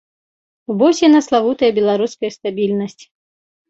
Вось яна, славутая беларуская стабільнасць!